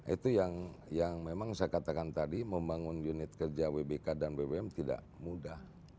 itu yang memang saya katakan tadi membangun unit kerja wbk dan bbm tidak mudah